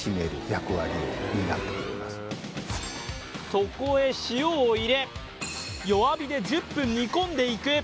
そこへ塩を入れ弱火で１０分煮込んでいく。